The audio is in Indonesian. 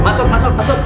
masuk masuk masuk